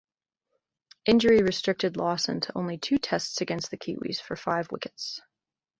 Injury restricted Lawson to only two Tests against the Kiwis, for five wickets.